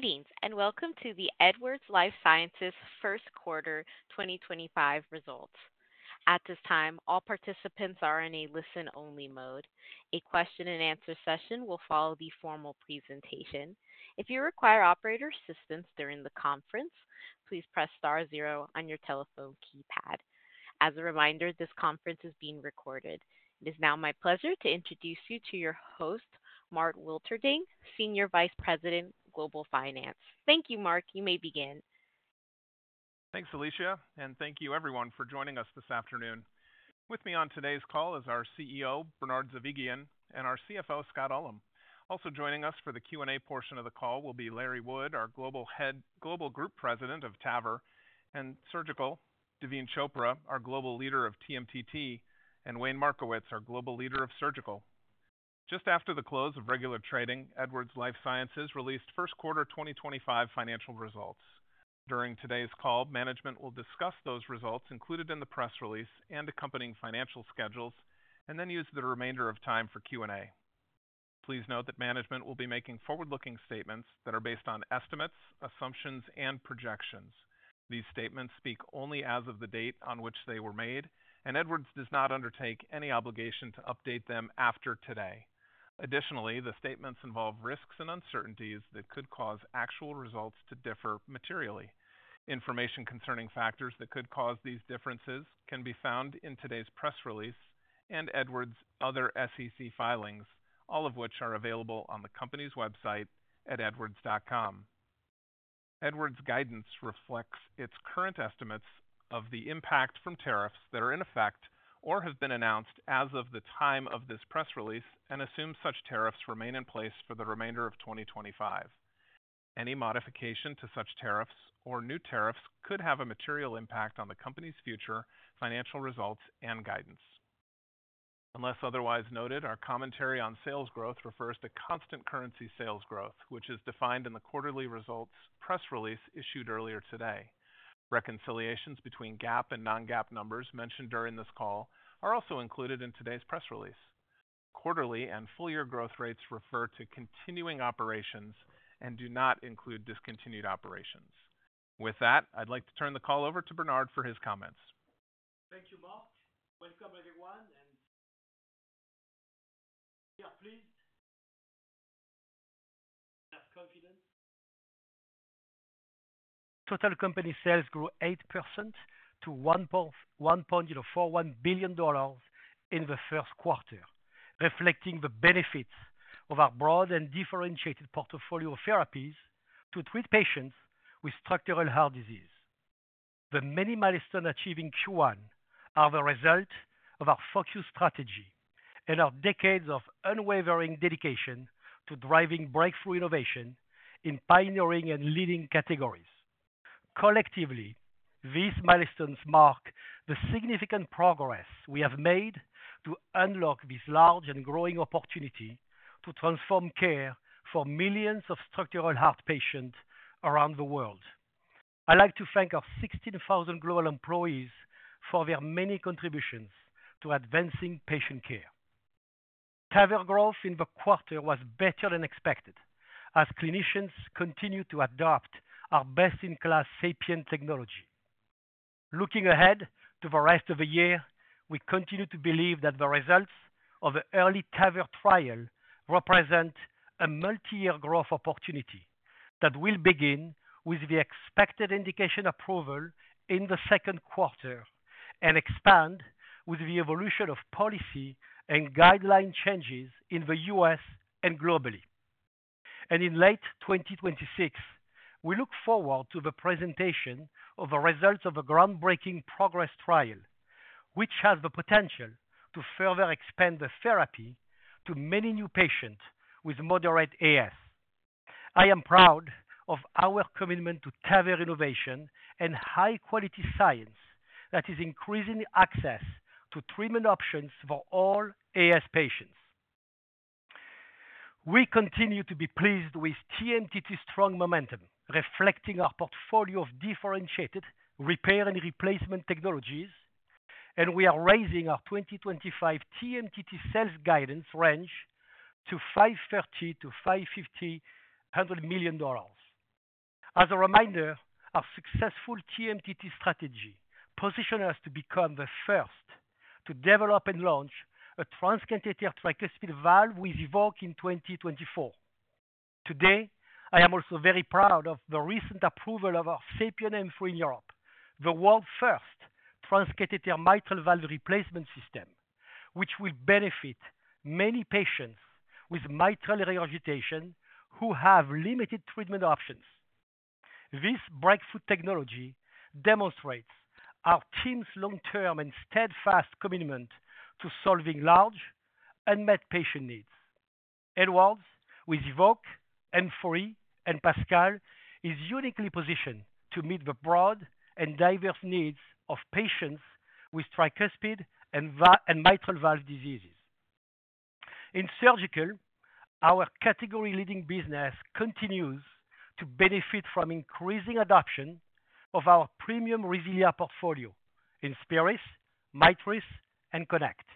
Greetings and welcome to the Edwards Lifesciences first quarter 2025 results. At this time, all participants are in a listen-only mode. A question-and-answer session will follow the formal presentation. If you require operator assistance during the conference, please press star zero on your telephone keypad. As a reminder, this conference is being recorded. It is now my pleasure to introduce you to your host, Mark Wilterding, Senior Vice President, Global Finance. Thank you, Mark. You may begin. Thanks, Alicia, and thank you, everyone, for joining us this afternoon. With me on today's call is our CEO, Bernard Zovighian, and our CFO, Scott Ullem. Also joining us for the Q&A portion of the call will be Larry Wood, our Global Group President of TAVR and Surgical, Daveen Chopra, our Global Leader of TMTT, and Wayne Markowitz, our Global Leader of Surgical. Just after the close of regular trading, Edwards Lifesciences released first quarter 2025 financial results. During today's call, management will discuss those results included in the press release and accompanying financial schedules, and then use the remainder of time for Q&A. Please note that management will be making forward-looking statements that are based on estimates, assumptions, and projections. These statements speak only as of the date on which they were made, and Edwards does not undertake any obligation to update them after today. Additionally, the statements involve risks and uncertainties that could cause actual results to differ materially. Information concerning factors that could cause these differences can be found in today's press release and Edwards' other SEC filings, all of which are available on the company's website at edwards.com. Edwards' guidance reflects its current estimates of the impact from tariffs that are in effect or have been announced as of the time of this press release and assumes such tariffs remain in place for the remainder of 2025. Any modification to such tariffs or new tariffs could have a material impact on the company's future financial results and guidance. Unless otherwise noted, our commentary on sales growth refers to constant currency sales growth, which is defined in the quarterly results press release issued earlier today. Reconciliations between GAAP and non-GAAP numbers mentioned during this call are also included in today's press release. Quarterly and full-year growth rates refer to continuing operations and do not include discontinued operations. With that, I'd like to turn the call over to Bernard for his comments. Thank you, Mark. Welcome, everyone, and please. Total company sales grew 8% to $1.41 billion in the first quarter, reflecting the benefits of our broad and differentiated portfolio of therapies to treat patients with structural heart disease. The many milestones achieved in Q1 are the result of our focused strategy and our decades of unwavering dedication to driving breakthrough innovation in pioneering and leading categories. Collectively, these milestones mark the significant progress we have made to unlock this large and growing opportunity to transform care for millions of structural heart patients around the world. I'd like to thank our 16,000 global employees for their many contributions to advancing patient care. TAVR growth in the quarter was better than expected as clinicians continued to adopt our best-in-class SAPIEN technology. Looking ahead to the rest of the year, we continue to believe that the results of the EARLY TAVR trial represent a multi-year growth opportunity that will begin with the expected indication approval in the second quarter and expand with the evolution of policy and guideline changes in the U.S. and globally. In late 2026, we look forward to the presentation of the results of a groundbreaking PROGRESS trial, which has the potential to further expand the therapy to many new patients with moderate AS. I am proud of our commitment to TAVR innovation and high-quality science that is increasing access to treatment options for all AS patients. We continue to be pleased with TMTT's strong momentum reflecting our portfolio of differentiated repair and replacement technologies, and we are raising our 2025 TMTT sales guidance range to $530-$550 million. As a reminder, our successful TMTT strategy positioned us to become the first to develop and launch a transcatheter tricuspid valve, EVOQUE, in 2024. Today, I am also very proud of the recent approval of our SAPIEN M3 in Europe, the world's first transcatheter mitral valve replacement system, which will benefit many patients with mitral regurgitation who have limited treatment options. This breakthrough technology demonstrates our team's long-term and steadfast commitment to solving large unmet patient needs. Edwards, with EVOQUE, M3, and PASCAL, is uniquely positioned to meet the broad and diverse needs of patients with tricuspid and mitral valve diseases. In surgical, our category-leading business continues to benefit from increasing adoption of our premium RESILIA portfolio, INSPIRIS, [Magna Ease] and KONECT.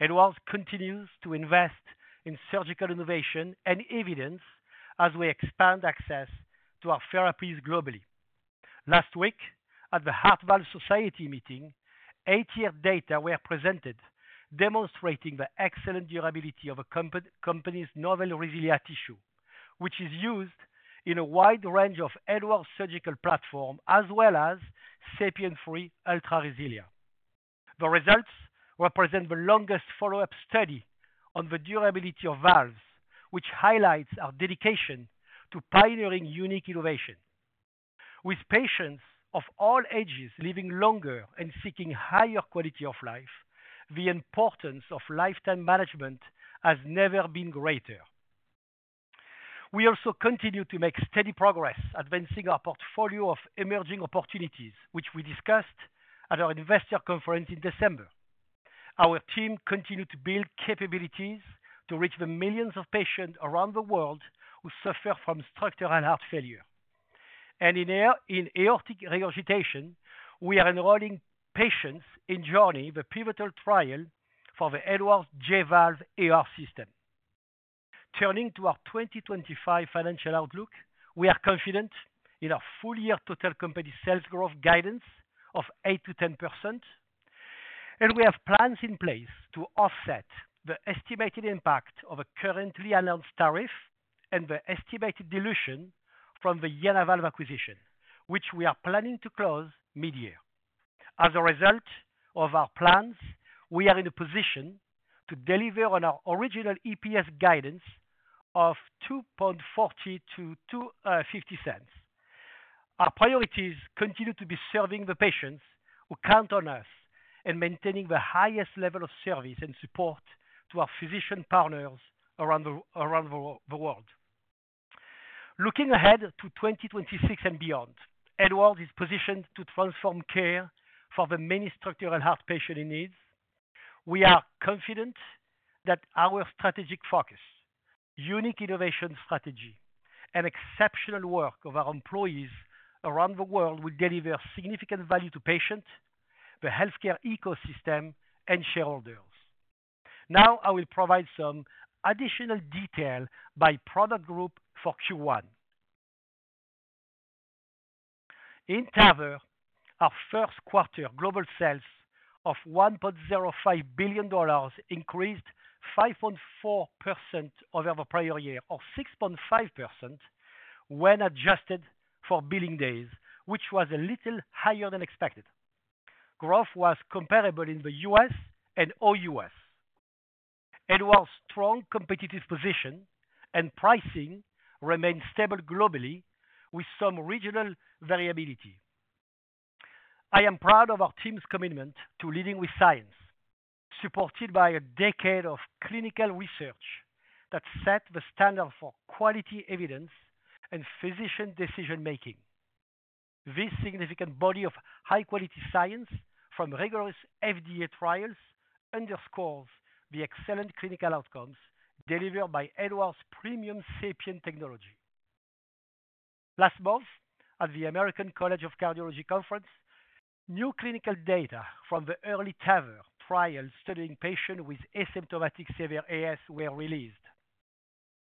Edwards continues to invest in surgical innovation and evidence as we expand access to our therapies globally. Last week, at the Heart Valve Society meeting, eight-year data were presented demonstrating the excellent durability of a company's novel RESILIA tissue, which is used in a wide range of Edwards surgical platforms as well as SAPIEN 3 Ultra RESILIA. The results represent the longest follow-up study on the durability of valves, which highlights our dedication to pioneering unique innovation. With patients of all ages living longer and seeking higher quality of life, the importance of lifetime management has never been greater. We also continue to make steady progress advancing our portfolio of emerging opportunities, which we discussed at our investor conference in December. Our team continues to build capabilities to reach the millions of patients around the world who suffer from structural heart failure. In aortic regurgitation, we are enrolling patients in joining the pivotal trial for the Edwards J-Valve AR System. Turning to our 2025 financial outlook, we are confident in our full-year total company sales growth guidance of 8%-10%, and we have plans in place to offset the estimated impact of a currently announced tariff and the estimated dilution from the JenaValve acquisition, which we are planning to close mid-year. As a result of our plans, we are in a position to deliver on our original EPS guidance of $2.40-$2.50. Our priorities continue to be serving the patients who count on us and maintaining the highest level of service and support to our physician partners around the world. Looking ahead to 2026 and beyond, Edwards is positioned to transform care for the many structural heart patients in need. We are confident that our strategic focus, unique innovation strategy, and exceptional work of our employees around the world will deliver significant value to patients, the healthcare ecosystem, and shareholders. Now, I will provide some additional detail by product group for Q1. In TAVR, our first quarter global sales of $1.05 billion increased 5.4% over the prior year, or 6.5% when adjusted for billing days, which was a little higher than expected. Growth was comparable in the U.S. and O.U.S. Edwards' strong competitive position and pricing remain stable globally with some regional variability. I am proud of our team's commitment to leading with science, supported by a decade of clinical research that set the standard for quality evidence and physician decision-making. This significant body of high-quality science from rigorous FDA trials underscores the excellent clinical outcomes delivered by Edwards' premium SAPIEN technology. Last month, at the American College of Cardiology conference, new clinical data from the EARLY TAVR trial studying patients with asymptomatic severe AS were released.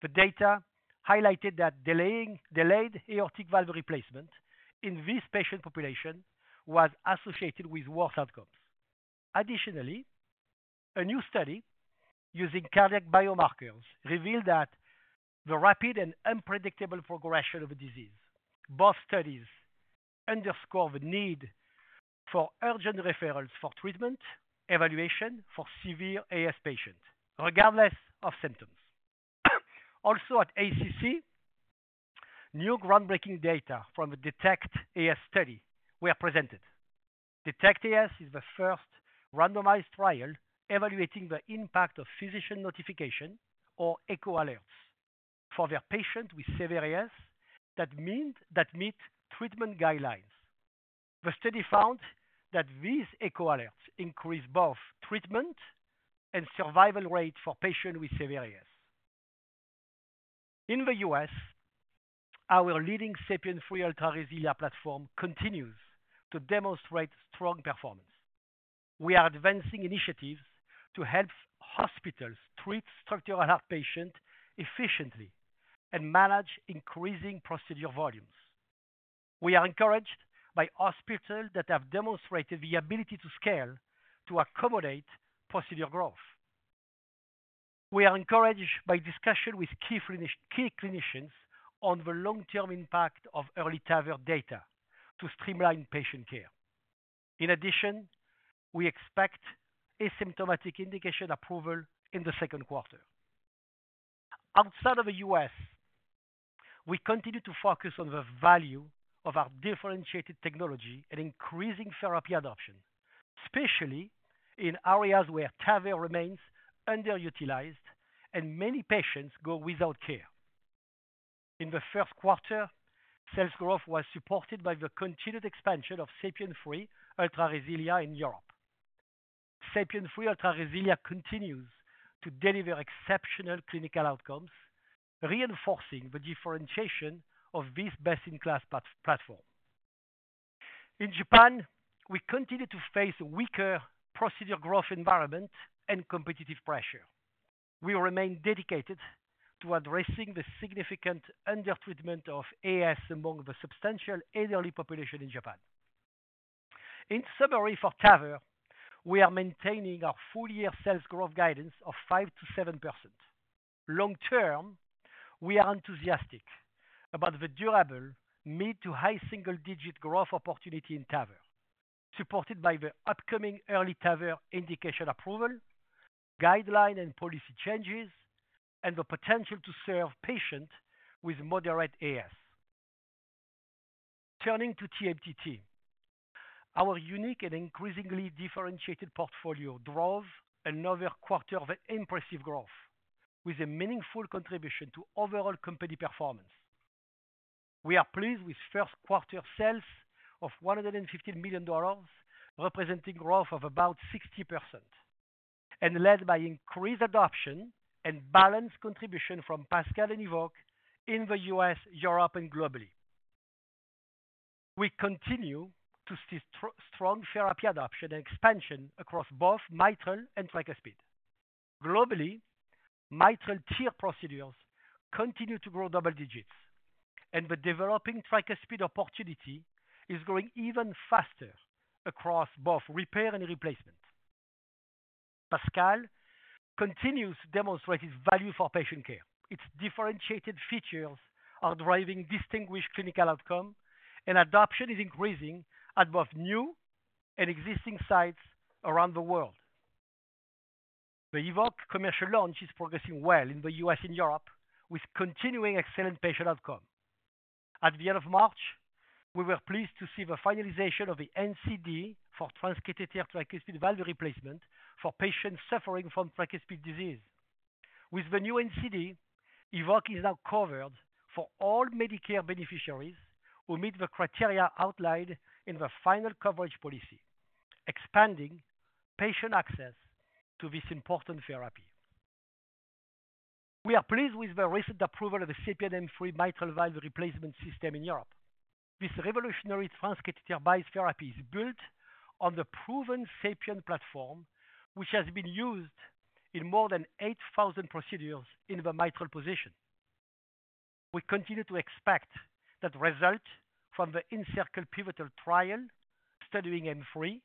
The data highlighted that delayed aortic valve replacement in this patient population was associated with worse outcomes. Additionally, a new study using cardiac biomarkers revealed the rapid and unpredictable progression of the disease. Both studies underscore the need for urgent referrals for treatment evaluation for severe AS patients, regardless of symptoms. Also, at ACC, new groundbreaking data from the DETECT AS study were presented. DETECT AS is the first randomized trial evaluating the impact of physician notification or echo alerts for their patients with severe AS that meet treatment guidelines. The study found that these echo alerts increase both treatment and survival rate for patients with severe AS. In the U.S., our leading SAPIEN 3 Ultra RESILIA platform continues to demonstrate strong performance. We are advancing initiatives to help hospitals treat structural heart patients efficiently and manage increasing procedure volumes. We are encouraged by hospitals that have demonstrated the ability to scale to accommodate procedure growth. We are encouraged by discussion with key clinicians on the long-term impact of EARLY TAVR data to streamline patient care. In addition, we expect asymptomatic indication approval in the second quarter. Outside of the U.S., we continue to focus on the value of our differentiated technology and increasing therapy adoption, especially in areas where TAVR remains underutilized and many patients go without care. In the first quarter, sales growth was supported by the continued expansion of SAPIEN 3 Ultra RESILIA in Europe. SAPIEN 3 Ultra RESILIA continues to deliver exceptional clinical outcomes, reinforcing the differentiation of this best-in-class platform. In Japan, we continue to face a weaker procedure growth environment and competitive pressure. We remain dedicated to addressing the significant under-treatment of AS among the substantial elderly population in Japan. In summary for TAVR, we are maintaining our full-year sales growth guidance of 5%-7%. Long-term, we are enthusiastic about the durable mid to high single-digit growth opportunity in TAVR, supported by the upcoming EARLY TAVR indication approval, guideline and policy changes, and the potential to serve patients with moderate AS. Turning to TMTT, our unique and increasingly differentiated portfolio drove another quarter of impressive growth with a meaningful contribution to overall company performance. We are pleased with first quarter sales of $115 million, representing growth of about 60%, and led by increased adoption and balanced contribution from PASCAL and EVOQUE in the U.S., Europe, and globally. We continue to see strong therapy adoption and expansion across both mitral and tricuspid. Globally, mitral TEER procedures continue to grow double digits, and the developing tricuspid opportunity is growing even faster across both repair and replacement. PASCAL continues to demonstrate its value for patient care. Its differentiated features are driving distinguished clinical outcome, and adoption is increasing at both new and existing sites around the world. The EVOQUE commercial launch is progressing well in the U.S. and Europe, with continuing excellent patient outcome. At the end of March, we were pleased to see the finalization of the NCD for transcatheter tricuspid valve replacement for patients suffering from tricuspid disease. With the new NCD, EVOQUE is now covered for all Medicare beneficiaries who meet the criteria outlined in the final coverage policy, expanding patient access to this important therapy. We are pleased with the recent approval of the SAPIEN M3 mitral valve replacement system in Europe. This revolutionary transcatheter-based therapy is built on the proven SAPIEN. platform, which has been used in more than 8,000 procedures in the mitral position. We continue to expect that results from the ENCIRCLE pivotal trial studying M3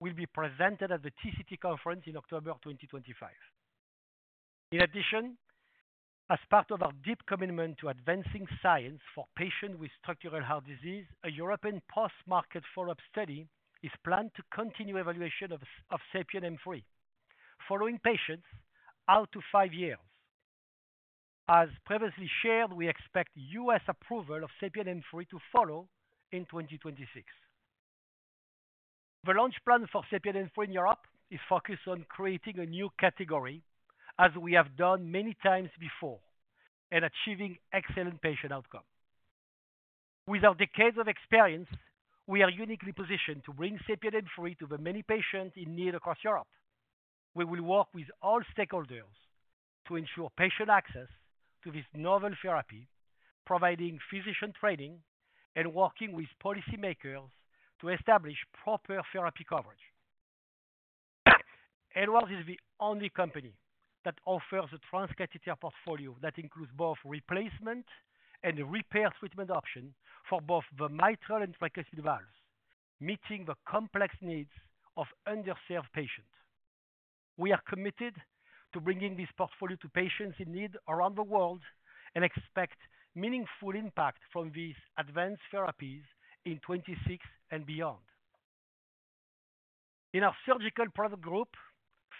will be presented at the TCT conference in October 2025. In addition, as part of our deep commitment to advancing science for patients with structural heart disease, a European post-market follow-up study is planned to continue evaluation of SAPIEN M3 following patients out to five years. As previously shared, we expect U.S. approval of SAPIEN M3 to follow in 2026. The launch plan for SAPIEN M3 in Europe is focused on creating a new category, as we have done many times before, and achieving excellent patient outcome. With our decades of experience, we are uniquely positioned to bring SAPIEN M3 to the many patients in need across Europe. We will work with all stakeholders to ensure patient access to this novel therapy, providing physician training and working with policymakers to establish proper therapy coverage. Edwards is the only company that offers a transcatheter portfolio that includes both replacement and repair treatment options for both the mitral and tricuspid valves, meeting the complex needs of underserved patients. We are committed to bringing this portfolio to patients in need around the world and expect meaningful impact from these advanced therapies in 2026 and beyond. In our surgical product group,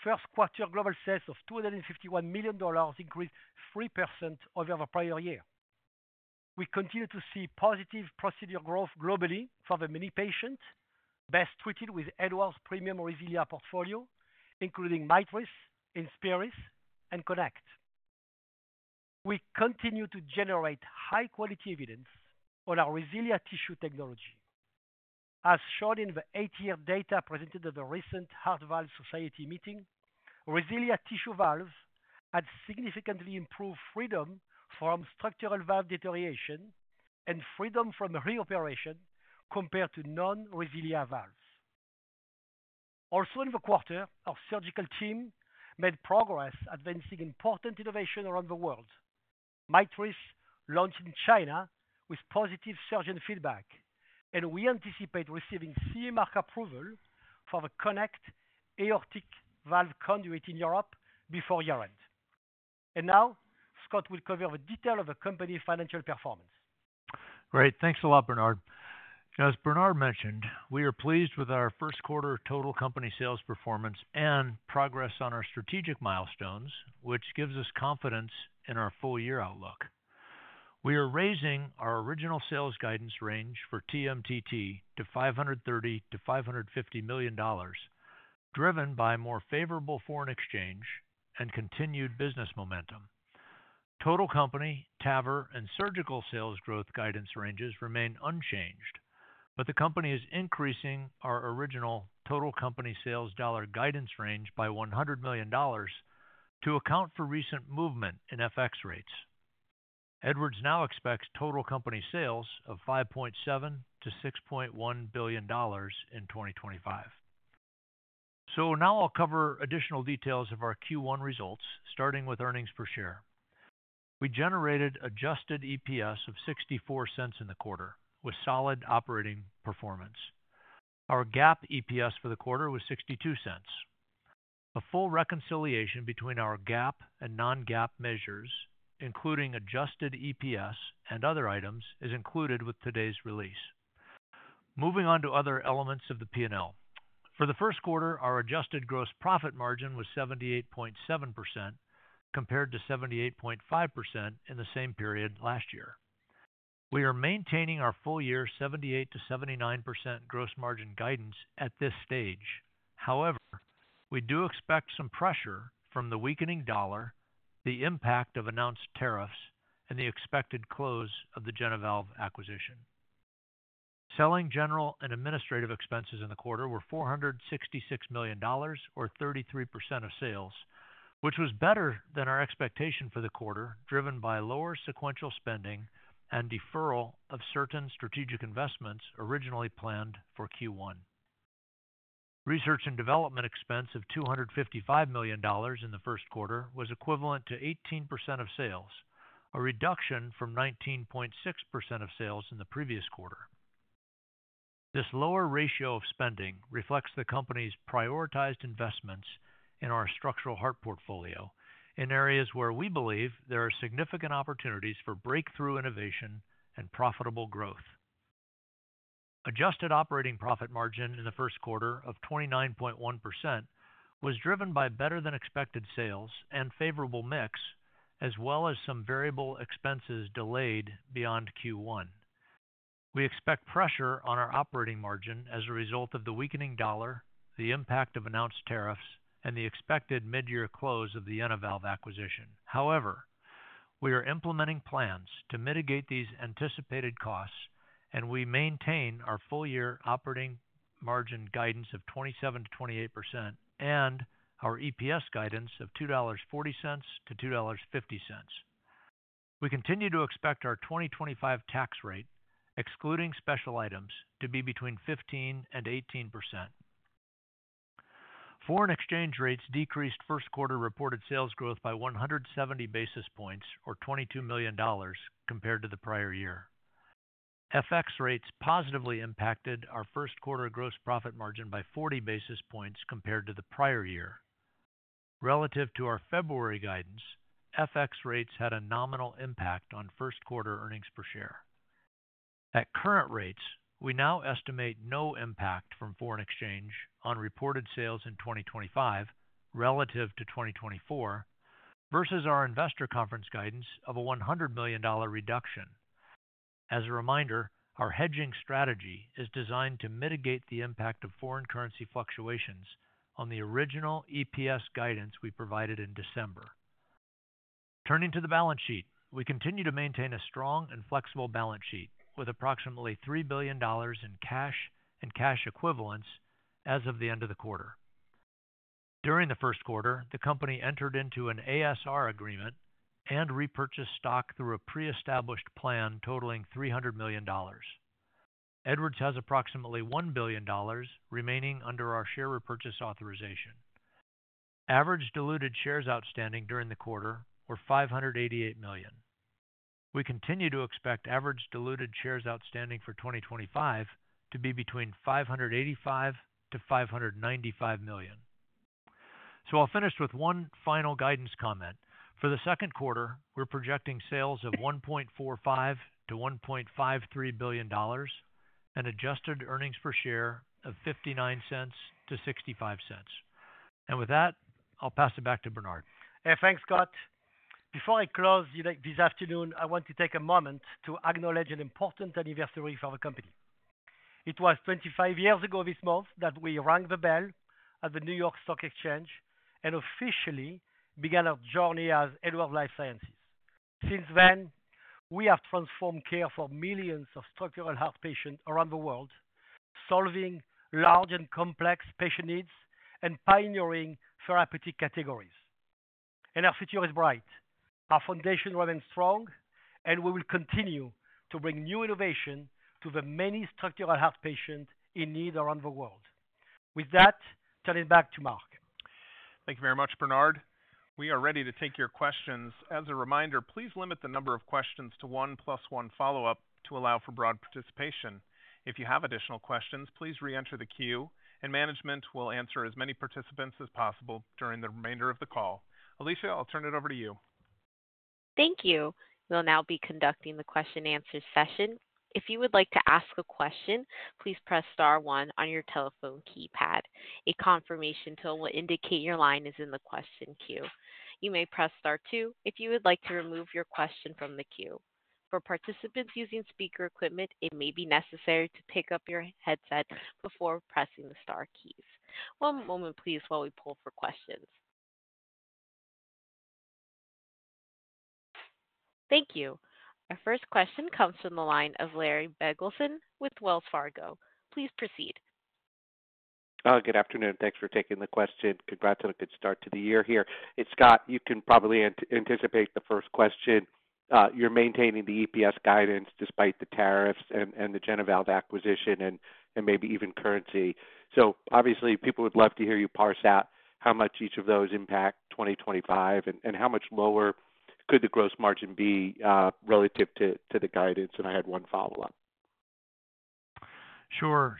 first quarter global sales of $251 million increased 3% over the prior year. We continue to see positive procedure growth globally for the many patients best treated with Edwards' premium RESILIA portfolio, including INSPIRIS, KONECT, and MAGNA Ease. We continue to generate high-quality evidence on our RESILIA tissue technology. As shown in the eight-year data presented at the recent Heart Valve Society meeting, RESILIA tissue valves had significantly improved freedom from structural valve deterioration and freedom from re-operation compared to non-RESILIA valves. Also, in the quarter, our surgical team made progress advancing important innovation around the world. INSPIRIS launched in China with positive surgeon feedback, and we anticipate receiving CE mark approval for the KONECT aortic valve conduit in Europe before year-end. Now, Scott will cover the detail of the company's financial performance. Great. Thanks a lot, Bernard. As Bernard mentioned, we are pleased with our first quarter total company sales performance and progress on our strategic milestones, which gives us confidence in our full-year outlook. We are raising our original sales guidance range for TMTT to $530 million-$550 million, driven by more favorable foreign exchange and continued business momentum. Total company, TAVR, and surgical sales growth guidance ranges remain unchanged, but the company is increasing our original total company sales dollar guidance range by $100 million to account for recent movement in FX rates. Edwards now expects total company sales of $5.7 billion-$6.1 billion in 2025. I will cover additional details of our Q1 results, starting with earnings per share. We generated adjusted EPS of $0.64 in the quarter, with solid operating performance. Our GAAP EPS for the quarter was $0.62. A full reconciliation between our GAAP and non-GAAP measures, including adjusted EPS and other items, is included with today's release. Moving on to other elements of the P&L. For the first quarter, our adjusted gross profit margin was 78.7% compared to 78.5% in the same period last year. We are maintaining our full-year 78%-79% gross margin guidance at this stage. However, we do expect some pressure from the weakening dollar, the impact of announced tariffs, and the expected close of the JenaValve acquisition. Selling, general and administrative expenses in the quarter were $466 million, or 33% of sales, which was better than our expectation for the quarter, driven by lower sequential spending and deferral of certain strategic investments originally planned for Q1. Research and development expense of $255 million in the first quarter was equivalent to 18% of sales, a reduction from 19.6% of sales in the previous quarter. This lower ratio of spending reflects the company's prioritized investments in our structural heart portfolio in areas where we believe there are significant opportunities for breakthrough innovation and profitable growth. Adjusted operating profit margin in the first quarter of 29.1% was driven by better-than-expected sales and favorable mix, as well as some variable expenses delayed beyond Q1. We expect pressure on our operating margin as a result of the weakening dollar, the impact of announced tariffs, and the expected mid-year close of the JenaValve acquisition. However, we are implementing plans to mitigate these anticipated costs, and we maintain our full-year operating margin guidance of 27-28% and our EPS guidance of $2.40-$2.50. We continue to expect our 2025 tax rate, excluding special items, to be between 15% and 18%. Foreign exchange rates decreased first quarter reported sales growth by 170 basis points, or $22 million compared to the prior year. FX rates positively impacted our first quarter gross profit margin by 40 basis points compared to the prior year. Relative to our February guidance, FX rates had a nominal impact on first quarter earnings per share. At current rates, we now estimate no impact from foreign exchange on reported sales in 2025 relative to 2024 versus our investor conference guidance of a $100 million reduction. As a reminder, our hedging strategy is designed to mitigate the impact of foreign currency fluctuations on the original EPS guidance we provided in December. Turning to the balance sheet, we continue to maintain a strong and flexible balance sheet with approximately $3 billion in cash and cash equivalents as of the end of the quarter. During the first quarter, the company entered into an ASR agreement and repurchased stock through a pre-established plan totaling $300 million. Edwards has approximately $1 billion remaining under our share repurchase authorization. Average diluted shares outstanding during the quarter were $588 million. We continue to expect average diluted shares outstanding for 2025 to be between $585 million-$595 million. I'll finish with one final guidance comment. For the second quarter, we're projecting sales of $1.45 billion-$1.53 billion and adjusted earnings per share of $0.59-$0.65. With that, I'll pass it back to Bernard. Yeah, thanks, Scott. Before I close this afternoon, I want to take a moment to acknowledge an important anniversary for our company. It was 25 years ago this month that we rang the bell at the New York Stock Exchange and officially began our journey as Edwards Lifesciences. Since then, we have transformed care for millions of structural heart patients around the world, solving large and complex patient needs and pioneering therapeutic categories. Our future is bright. Our foundation remains strong, and we will continue to bring new innovation to the many structural heart patients in need around the world. With that, turning back to Mark. Thank you very much, Bernard. We are ready to take your questions. As a reminder, please limit the number of questions to one plus one follow-up to allow for broad participation. If you have additional questions, please re-enter the queue, and management will answer as many participants as possible during the remainder of the call. Alicia, I'll turn it over to you. Thank you. We'll now be conducting the question-and-answer session. If you would like to ask a question, please press star one on your telephone keypad. A confirmation tool will indicate your line is in the question queue. You may press star two if you would like to remove your question from the queue. For participants using speaker equipment, it may be necessary to pick up your headset before pressing the star keys. One moment, please, while we pull for questions. Thank you. Our first question comes from the line of Larry Biegelsen with Wells Fargo. Please proceed. Good afternoon. Thanks for taking the question. Congrats on a good start to the year here. It's Scott. You can probably anticipate the first question. You're maintaining the EPS guidance despite the tariffs and the JenaValve acquisition and maybe even currency. Obviously, people would love to hear you parse out how much each of those impact 2025 and how much lower could the gross margin be relative to the guidance. I had one follow-up. Sure.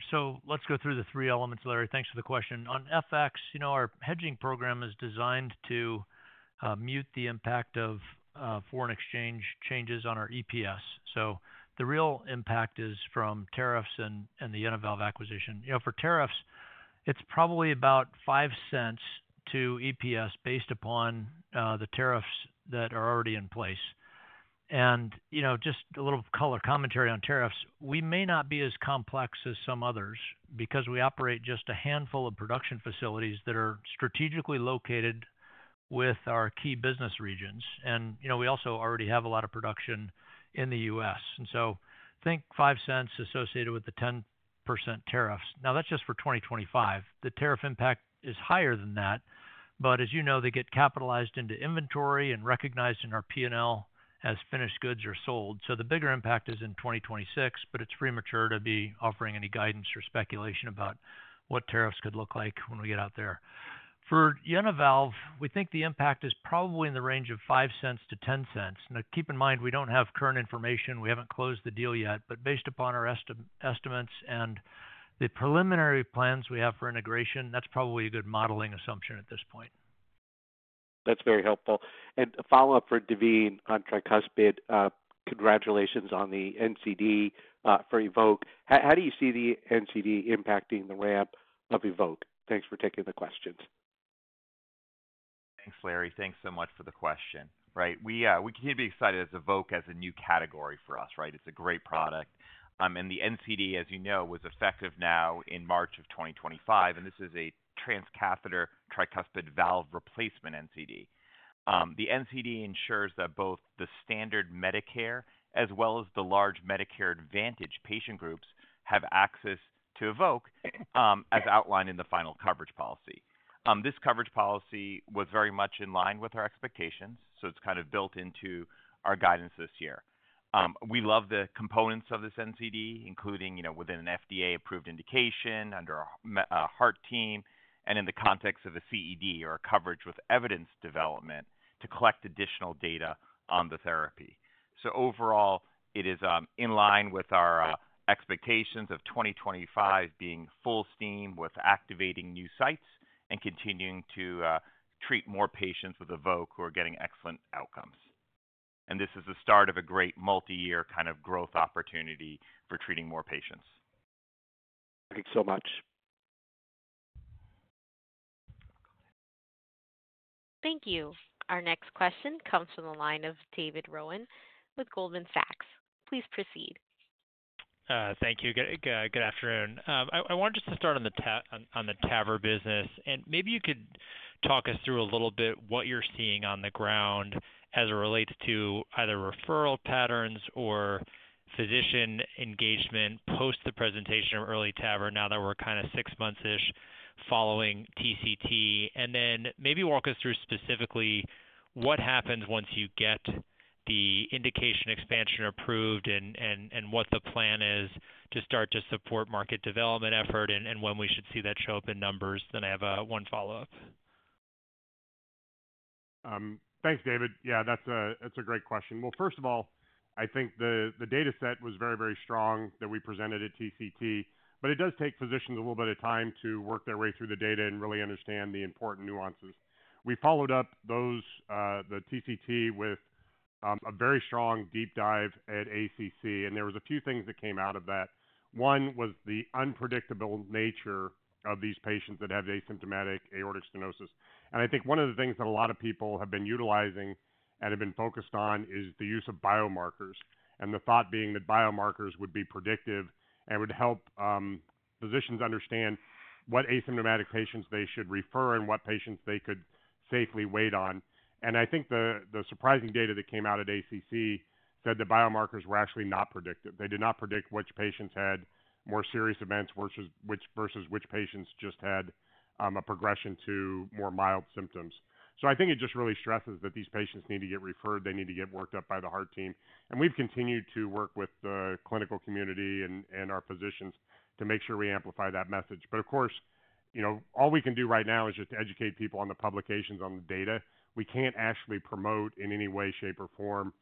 Let's go through the three elements, Larry. Thanks for the question. On FX, our hedging program is designed to mute the impact of foreign exchange changes on our EPS. The real impact is from tariffs and the JenaValve acquisition. For tariffs, it's probably about $0.05 to EPS based upon the tariffs that are already in place. Just a little color commentary on tariffs, we may not be as complex as some others because we operate just a handful of production facilities that are strategically located with our key business regions. We also already have a lot of production in the US. Think $0.05 associated with the 10% tariffs. That is just for 2025. The tariff impact is higher than that, but as you know, they get capitalized into inventory and recognized in our P&L as finished goods are sold. The bigger impact is in 2026, but it is premature to be offering any guidance or speculation about what tariffs could look like when we get out there. For JenaValve, we think the impact is probably in the range of $0.05-$0.10. Keep in mind, we do not have current information. We haven't closed the deal yet, but based upon our estimates and the preliminary plans we have for integration, that's probably a good modeling assumption at this point. That's very helpful. A follow-up for Daveen on tricuspid. Congratulations on the NCD for EVOQUE. How do you see the NCD impacting the ramp of EVOQUE? Thanks for taking the questions. Thanks, Larry. Thanks so much for the question. Right. We can't be excited as EVOQUE as a new category for us, right? It's a great product. The NCD, as you know, was effective now in March of 2025, and this is a transcatheter tricuspid valve replacement NCD. The NCD ensures that both the standard Medicare as well as the large Medicare Advantage patient groups have access to EVOQUE, as outlined in the final coverage policy. This coverage policy was very much in line with our expectations, so it's kind of built into our guidance this year. We love the components of this NCD, including within an FDA-approved indication under a heart team and in the context of a CED or a coverage with evidence development to collect additional data on the therapy. Overall, it is in line with our expectations of 2025 being full steam with activating new sites and continuing to treat more patients with EVOQUE who are getting excellent outcomes. This is the start of a great multi-year kind of growth opportunity for treating more patients. Thanks so much. Thank you. Our next question comes from the line of David Rowen with Goldman Sachs. Please proceed. Thank you. Good afternoon. I wanted just to start on the TAVR business, and maybe you could talk us through a little bit what you're seeing on the ground as it relates to either referral patterns or physician engagement post the presentation of EARLY TAVR now that we're kind of six months-ish following TCT. Maybe walk us through specifically what happens once you get the indication expansion approved and what the plan is to start to support market development effort and when we should see that show up in numbers. I have one follow-up. Thanks, David. Yeah, that's a great question. First of all, I think the data set was very, very strong that we presented at TCT, but it does take physicians a little bit of time to work their way through the data and really understand the important nuances. We followed up the TCT with a very strong deep dive at ACC, and there were a few things that came out of that. One was the unpredictable nature of these patients that have asymptomatic aortic stenosis. I think one of the things that a lot of people have been utilizing and have been focused on is the use of biomarkers, and the thought being that biomarkers would be predictive and would help physicians understand what asymptomatic patients they should refer and what patients they could safely wait on. I think the surprising data that came out at ACC said that biomarkers were actually not predictive. They did not predict which patients had more serious events versus which patients just had a progression to more mild symptoms. I think it just really stresses that these patients need to get referred. They need to get worked up by the heart team. We have continued to work with the clinical community and our physicians to make sure we amplify that message. Of course, all we can do right now is just to educate people on the publications on the data. We cannot actually promote in any way, shape, or form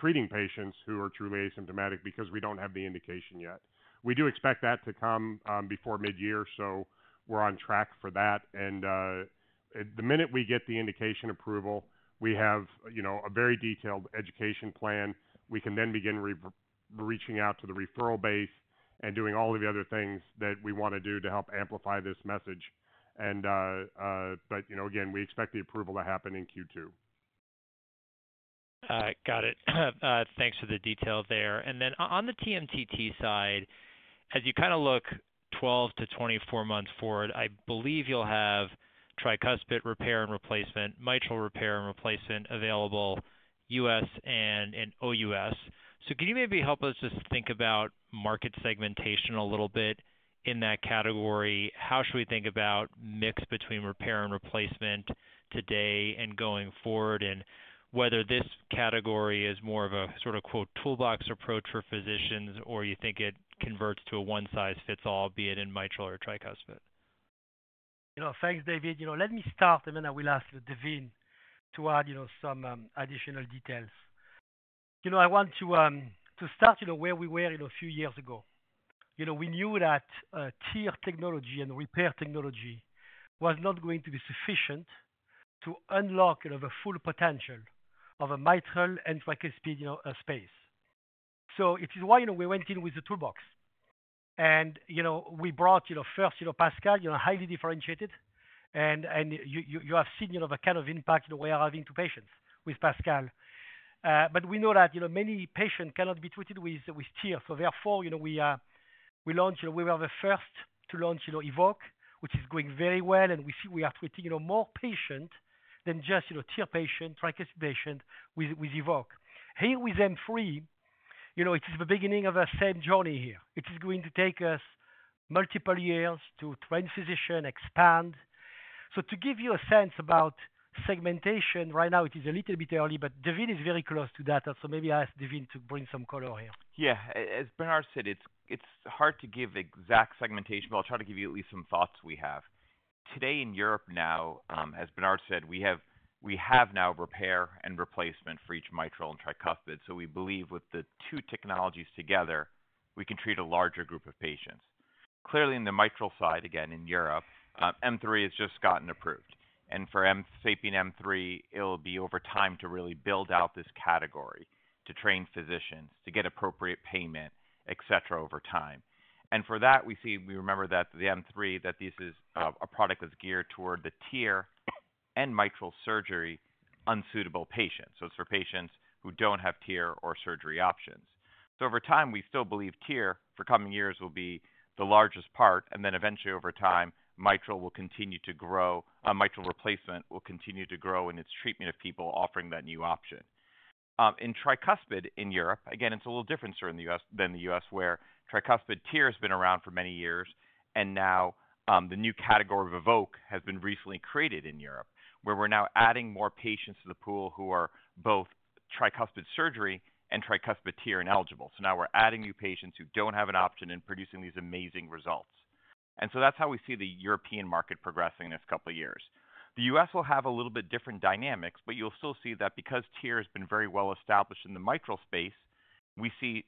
treating patients who are truly asymptomatic because we do not have the indication yet. We do expect that to come before mid-year, so we are on track for that. The minute we get the indication approval, we have a very detailed education plan. We can then begin reaching out to the referral base and doing all the other things that we want to do to help amplify this message. Again, we expect the approval to happen in Q2. Got it. Thanks for the detail there. On the TMTT side, as you kind of look 12 to 24 months forward, I believe you'll have tricuspid repair and replacement, mitral repair and replacement available U.S. and O.U.S. Can you maybe help us just think about market segmentation a little bit in that category? How should we think about mix between repair and replacement today and going forward, and whether this category is more of a sort of "toolbox approach" for physicians, or you think it converts to a one-size-fits-all, be it in mitral or tricuspid? Thanks, David. Let me start, and then I will ask Daveen to add some additional details. I want to start where we were a few years ago. We knew that tier technology and repair technology was not going to be sufficient to unlock the full potential of a mitral and tricuspid space. It is why we went in with the toolbox. We brought first PASCAL, highly differentiated, and you have seen the kind of impact we are having to patients with PASCAL. We know that many patients cannot be treated with TEER. Therefore, we launched, we were the first to launch EVOQUE, which is going very well, and we are treating more patients than just TEER patients, tricuspid patients with EVOQUE. Here with M3, it is the beginning of the same journey here. It is going to take us multiple years to train physicians, expand. To give you a sense about segmentation, right now it is a little bit early, but Daveen is very close to that. Maybe I ask Daveen to bring some color here. Yeah. As Bernard said, it's hard to give exact segmentation, but I'll try to give you at least some thoughts we have. Today in Europe now, as Bernard said, we have now repair and replacement for each mitral and tricuspid. We believe with the two technologies together, we can treat a larger group of patients. Clearly, in the mitral side, again, in Europe, M3 has just gotten approved. For M3, it'll be over time to really build out this category to train physicians, to get appropriate payment, etc., over time. For that, we see, we remember that the M3, that this is a product that's geared toward the TEER and mitral surgery unsuitable patients. It's for patients who don't have TEER or surgery options. Over time, we still believe TIER for coming years will be the largest part, and then eventually, over time, mitral will continue to grow. Mitral replacement will continue to grow in its treatment of people, offering that new option. In tricuspid in Europe, again, it's a little different than the U.S., where tricuspid TEER has been around for many years, and now the new category of EVOQUE has been recently created in Europe, where we're now adding more patients to the pool who are both tricuspid surgery and tricuspid TEER ineligible. Now we're adding new patients who don't have an option and producing these amazing results. That's how we see the European market progressing in this couple of years. The U.S. will have a little bit different dynamics, but you'll still see that because TEER has been very well established in the mitral space, we see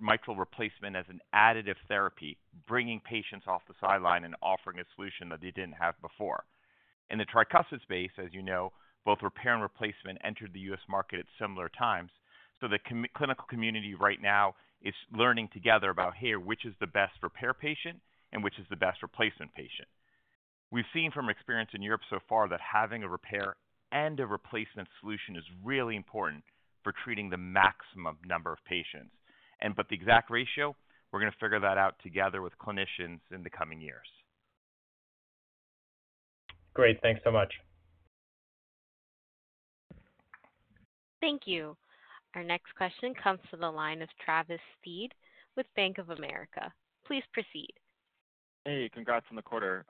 mitral replacement as an additive therapy, bringing patients off the sideline and offering a solution that they didn't have before. In the tricuspid space, as you know, both repair and replacement entered the U.S. market at similar times. The clinical community right now is learning together about, "Here, which is the best repair patient and which is the best replacement patient?" We've seen from experience in Europe so far that having a repair and a replacement solution is really important for treating the maximum number of patients. The exact ratio, we're going to figure that out together with clinicians in the coming years. Great. Thanks so much. Thank you. Our next question comes from the line of Travis Steed with Bank of America. Please proceed. Hey, congrats on the quarter.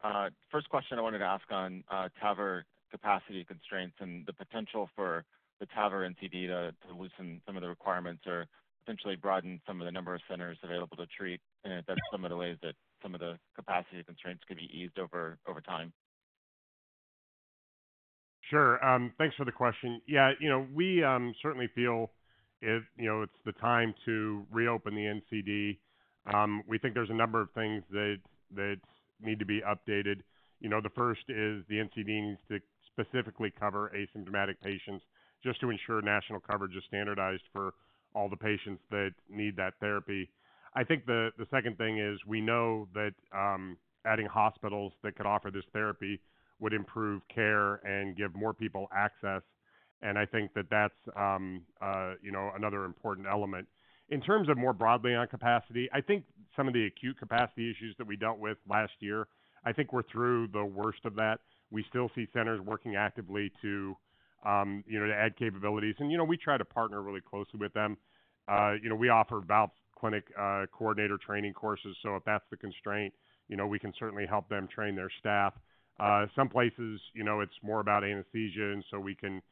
First question I wanted to ask on TAVR capacity constraints and the potential for the TAVR NCD to loosen some of the requirements or potentially broaden some of the number of centers available to treat, and if that's some of the ways that some of the capacity constraints could be eased over time. Sure. Thanks for the question. Yeah. We certainly feel it's the time to reopen the NCD. We think there's a number of things that need to be updated. The first is the NCD needs to specifically cover asymptomatic patients just to ensure national coverage is standardized for all the patients that need that therapy. I think the second thing is we know that adding hospitals that could offer this therapy would improve care and give more people access. I think that that's another important element. In terms of more broadly on capacity, I think some of the acute capacity issues that we dealt with last year, I think we're through the worst of that. We still see centers working actively to add capabilities. We try to partner really closely with them. We offer Valve Clinic coordinator training courses. If that's the constraint, we can certainly help them train their staff. Some places, it's more about anesthesia, and we can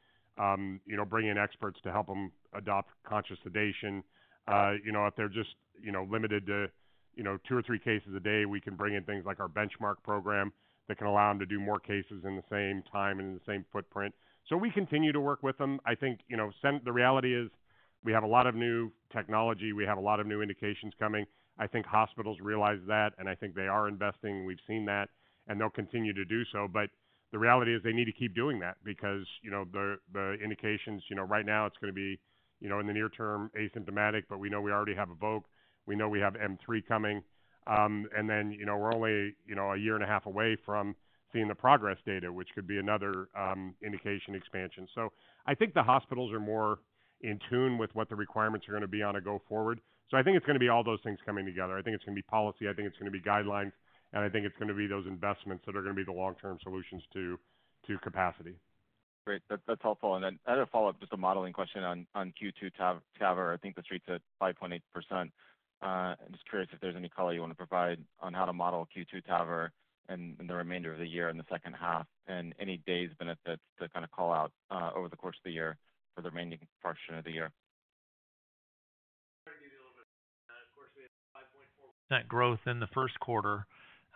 bring in experts to help them adopt conscious sedation. If they're just limited to two or three cases a day, we can bring in things like our benchmark program that can allow them to do more cases in the same time and in the same footprint. We continue to work with them. I think the reality is we have a lot of new technology. We have a lot of new indications coming. I think hospitals realize that, and I think they are investing. We've seen that, and they'll continue to do so. The reality is they need to keep doing that because the indications right now, it's going to be in the near term asymptomatic, but we know we already have EVOQUE. We know we have M3 coming. We are only a year and a half away from seeing the PROGRESS data, which could be another indication expansion. I think the hospitals are more in tune with what the requirements are going to be on a go forward. I think it's going to be all those things coming together. I think it's going to be policy. I think it's going to be guidelines. I think it's going to be those investments that are going to be the long-term solutions to capacity. Great. That's helpful. Another follow-up, just a modeling question on Q2 TAVR. I think this reached at 5.8%. I'm just curious if there's any color you want to provide on how to model Q2 TAVR and the remainder of the year in the second half and any days benefits to kind of call out over the course of the year for the remaining portion of the year. Of course, we had 5.4% growth in the first quarter.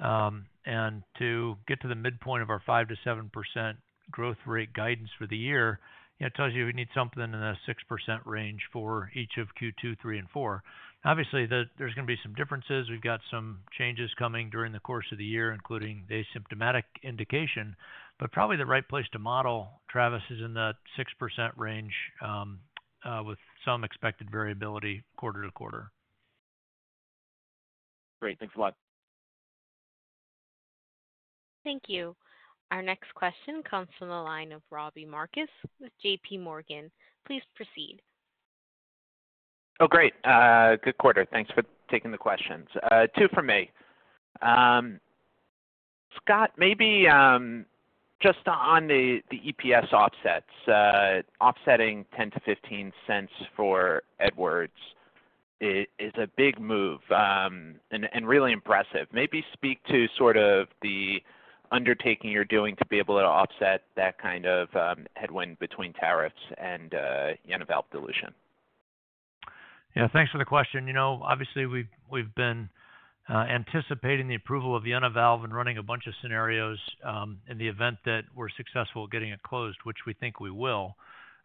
To get to the midpoint of our 5%-7% growth rate guidance for the year, it tells you we need something in the 6% range for each of Q2, three, and four. Obviously, there's going to be some differences. We've got some changes coming during the course of the year, including the asymptomatic indication. Probably the right place to model, Travis, is in the 6% range with some expected variability quarter to quarter. Great. Thanks a lot. Thank you. Our next question comes from the line of Robbie Marcus with JPMorgan. Please proceed. Oh, great. Good quarter. Thanks for taking the questions. Two from me. Scott, maybe just on the EPS offsets, offsetting $0.10-$0.15 for Edwards is a big move and really impressive. Maybe speak to sort of the undertaking you're doing to be able to offset that kind of headwind between tariffs and JenaValve dilution. Yeah. Thanks for the question. Obviously, we've been anticipating the approval of JenaValve and running a bunch of scenarios in the event that we're successful getting it closed, which we think we will.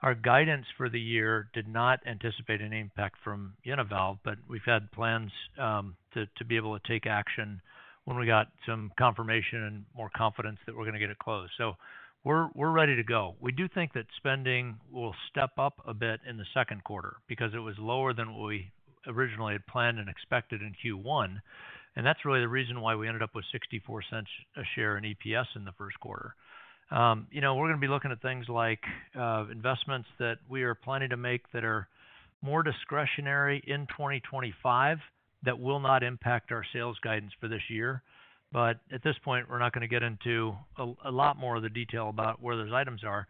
Our guidance for the year did not anticipate an impact from JenaValve, but we've had plans to be able to take action when we got some confirmation and more confidence that we're going to get it closed. We do think that spending will step up a bit in the second quarter because it was lower than what we originally had planned and expected in Q1. That's really the reason why we ended up with $0.64 a share in EPS in the first quarter. We're going to be looking at things like investments that we are planning to make that are more discretionary in 2025 that will not impact our sales guidance for this year. At this point, we're not going to get into a lot more of the detail about where those items are.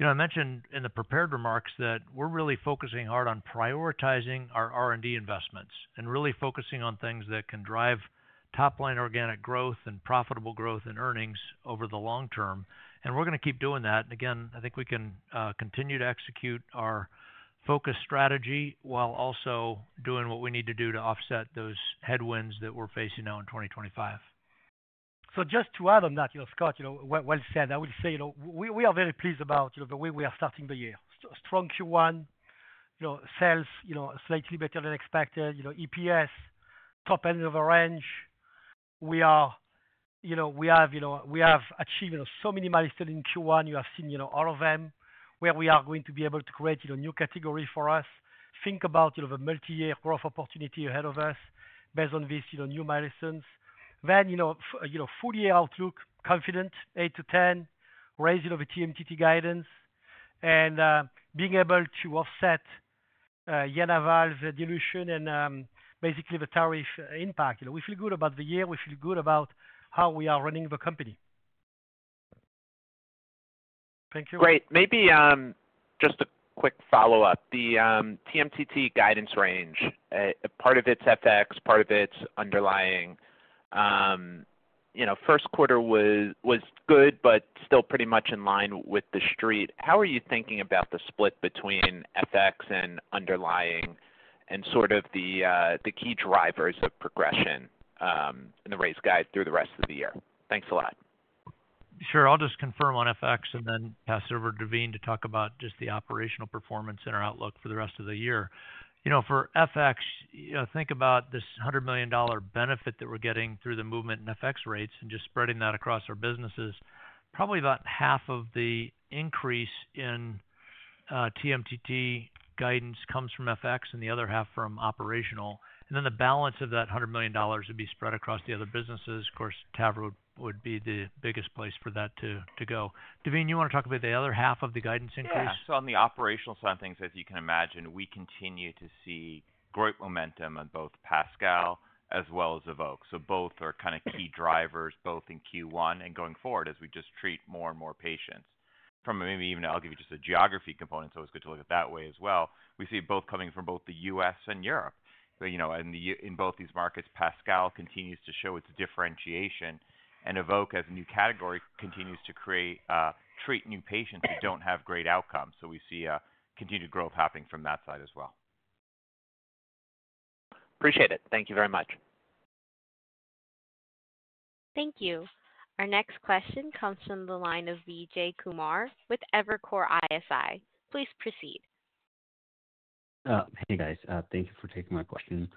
I mentioned in the prepared remarks that we're really focusing hard on prioritizing our R&D investments and really focusing on things that can drive top-line organic growth and profitable growth and earnings over the long term. We're going to keep doing that. I think we can continue to execute our focus strategy while also doing what we need to do to offset those headwinds that we're facing now in 2025. Just to add on that, Scott, well said. I will say we are very pleased about the way we are starting the year. Strong Q1, sales slightly better than expected, EPS top end of our range. We have achieved so many milestones in Q1. You have seen all of them where we are going to be able to create a new category for us. Think about the multi-year growth opportunity ahead of us based on these new milestones. The full-year outlook, confident, eight to 10, raise the TMTT guidance, and being able to offset JenaValve dilution and basically the tariff impact. We feel good about the year. We feel good about how we are running the company. Thank you. Great. Maybe just a quick follow-up. The TMTT guidance range, part of it's FX, part of it's underlying. First quarter was good, but still pretty much in line with the street. How are you thinking about the split between FX and underlying and sort of the key drivers of progression in the raise guide through the rest of the year? Thanks a lot. Sure. I'll just confirm on FX and then pass it over to Daveen to talk about just the operational performance and our outlook for the rest of the year. For FX, think about this $100 million benefit that we're getting through the movement in FX rates and just spreading that across our businesses. Probably about half of the increase in TMTT guidance comes from FX and the other half from operational. The balance of that $100 million would be spread across the other businesses. Of course, TAVR would be the biggest place for that to go. Daveen, you want to talk about the other half of the guidance increase? Yeah. On the operational side of things, as you can imagine, we continue to see great momentum on both PASCAL as well as EVOQUE. Both are kind of key drivers, both in Q1 and going forward as we just treat more and more patients. Maybe even I'll give you just a geography component, so it's good to look at that way as well. We see both coming from both the U.S. and Europe. In both these markets, PASCAL continues to show its differentiation, and EVOQUE, as a new category, continues to treat new patients who do not have great outcomes. We see continued growth happening from that side as well. Appreciate it. Thank you very much. Thank you. Our next question comes from the line of Vijay Kumar with Evercore ISI. Please proceed. Hey, guys. Thank you for taking my question.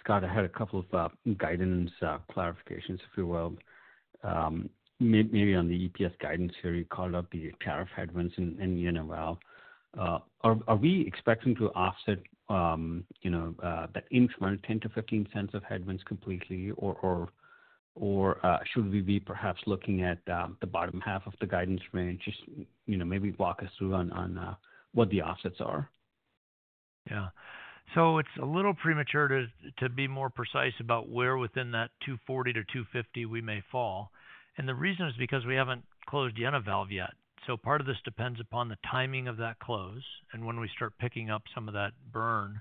Scott, I had a couple of guidance clarifications, if you will. Maybe on the EPS guidance here, you called out the tariff headwinds and JenaValve. Are we expecting to offset that, in your mind, $0.1-$0.15 of headwinds completely, or should we be perhaps looking at the bottom half of the guidance range? Just maybe walk us through on what the offsets are. Yeah. It's a little premature to be more precise about where within that $2.40-$2.50 we may fall. The reason is because we haven't closed JenaValve yet. Part of this depends upon the timing of that close and when we start picking up some of that burn.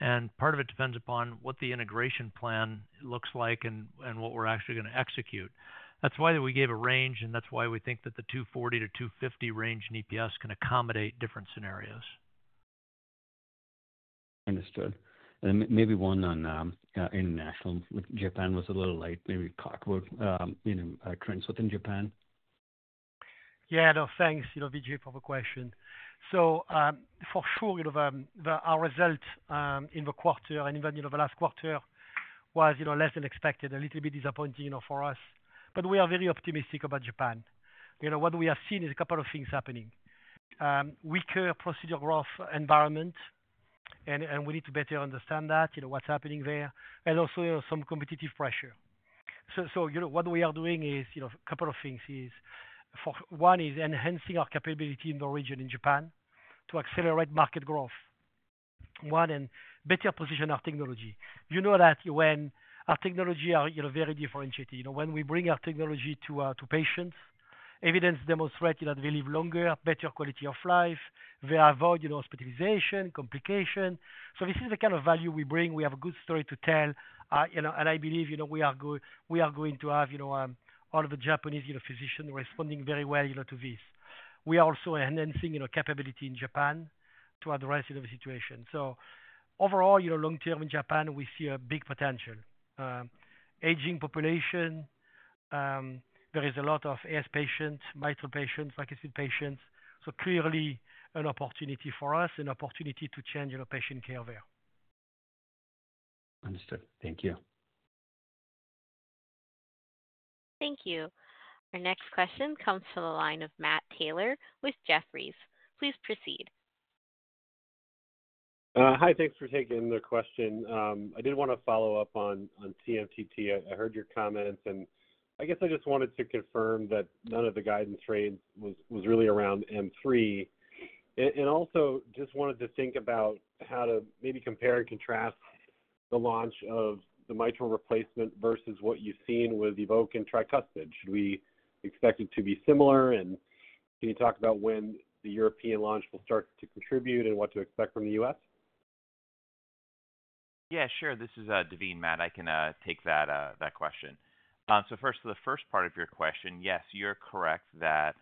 Part of it depends upon what the integration plan looks like and what we're actually going to execute. That's why we gave a range, and that's why we think that the $2.40-$2.50 range in EPS can accommodate different scenarios. Understood. Maybe one on international. Japan was a little late. Maybe talk about trends within Japan. Yeah. No, thanks. Vijay, proper question. For sure, our result in the quarter and in the last quarter was less than expected, a little bit disappointing for us. We are very optimistic about Japan. What we have seen is a couple of things happening: weaker procedure growth environment, and we need to better understand that, what's happening there, and also some competitive pressure. What we are doing is a couple of things. One is enhancing our capability in the region in Japan to accelerate market growth, and better position our technology. You know that when our technology is very differentiated. When we bring our technology to patients, evidence demonstrates that they live longer, better quality of life. They avoid hospitalization, complication. This is the kind of value we bring. We have a good story to tell. I believe we are going to have all of the Japanese physicians responding very well to this. We are also enhancing capability in Japan to address the situation. Overall, long-term in Japan, we see a big potential. Aging population, there is a lot of AS patients, mitral patients, bicuspid patients. Clearly, an opportunity for us, an opportunity to change patient care there. Understood. Thank you. Thank you. Our next question comes from the line of Matt Taylor with Jefferies. Please proceed. Hi. Thanks for taking the question. I did want to follow up on TMTT. I heard your comments, and I guess I just wanted to confirm that none of the guidance rates was really around M3. I just wanted to think about how to maybe compare and contrast the launch of the mitral replacement versus what you've seen with EVOQUE and tricuspid. Should we expect it to be similar? Can you talk about when the European launch will start to contribute and what to expect from the U.S.? Yeah. Sure. This is Daveen, Matt. I can take that question. First, the first part of your question, yes, you're correct that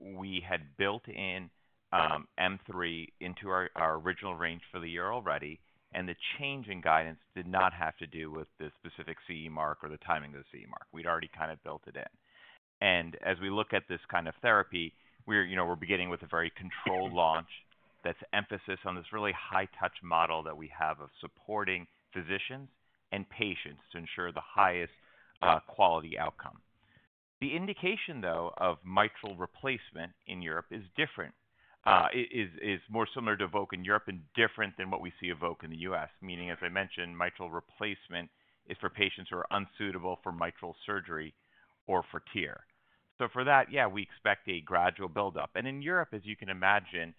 we had built in M3 into our original range for the year already, and the change in guidance did not have to do with the specific CE mark or the timing of the CE mark. We'd already kind of built it in. As we look at this kind of therapy, we're beginning with a very controlled launch that's emphasis on this really high-touch model that we have of supporting physicians and patients to ensure the highest quality outcome. The indication, though, of mitral replacement in Europe is different. It is more similar to EVOQUE in Europe and different than what we see EVOQUE in the U.S., meaning, as I mentioned, mitral replacement is for patients who are unsuitable for mitral surgery or for TEER. For that, yeah, we expect a gradual build-up. In Europe, as you can imagine,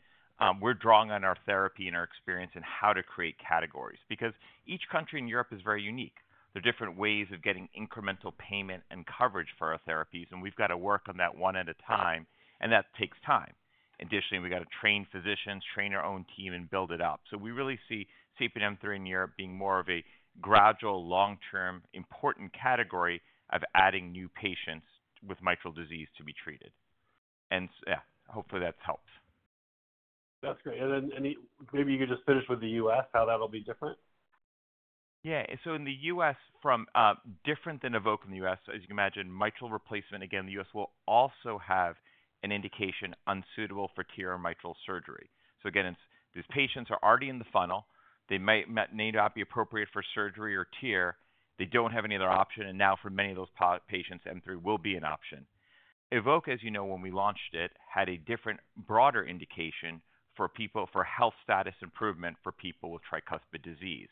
we're drawing on our therapy and our experience in how to create categories because each country in Europe is very unique. There are different ways of getting incremental payment and coverage for our therapies, and we've got to work on that one at a time, and that takes time. Additionally, we got to train physicians, train our own team, and build it up. We really see SAPIEN M3 in Europe being more of a gradual, long-term, important category of adding new patients with mitral disease to be treated. Yeah, hopefully, that's helped. That's great. Maybe you could just finish with the U.S., how that'll be different. Yeah. In the U.S., different than EVOQUE in the U.S., as you can imagine, mitral replacement, again, the U.S. will also have an indication unsuitable for TEER or mitral surgery. These patients are already in the funnel. They may not be appropriate for surgery or TEER. They do not have any other option. Now, for many of those patients, M3 will be an option. EVOQUE, as you know, when we launched it, had a different broader indication for health status improvement for people with tricuspid disease.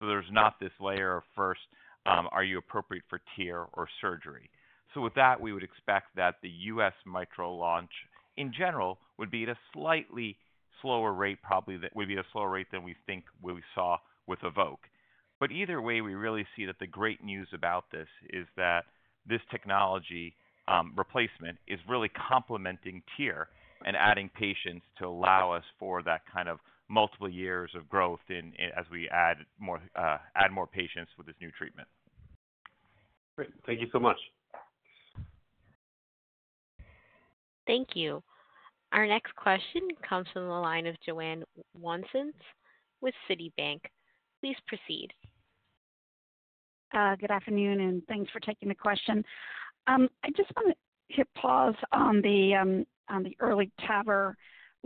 There is not this layer of first, are you appropriate for TEER or surgery? With that, we would expect that the U.S. mitral launch, in general, would be at a slightly slower rate, probably that would be a slower rate than we think we saw with EVOQUE. Either way, we really see that the great news about this is that this technology replacement is really complementing TEER and adding patients to allow us for that kind of multiple years of growth as we add more patients with this new treatment. Great. Thank you so much. Thank you. Our next question comes from the line of Joanne Wuensch with Citibank. Please proceed. Good afternoon, and thanks for taking the question. I just want to hit pause on the EARLY TAVR